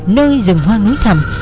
nơi rừng hoa núi thầm